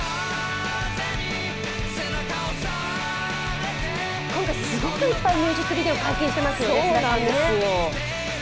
なんかすごくいっぱいミュージックビデオ解禁されてますよね。